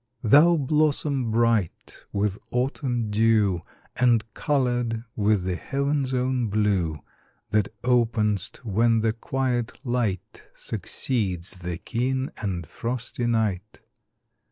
Thou blossom bright with autumn dew, And coloured with the heaven's own blue, That openest when the quiet light Succeeds the keen and frosty night.